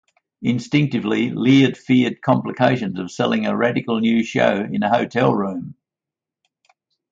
Instinctively, Lear feared complications of selling a radical new show in a hotel room.